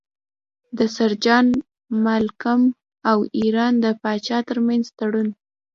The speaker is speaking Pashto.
د سر جان مالکم او ایران د پاچا ترمنځ تړون.